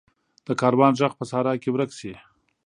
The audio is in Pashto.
د کاروان ږغ په صحرا کې ورک شي.